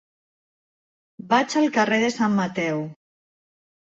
Vaig al carrer de Sant Mateu.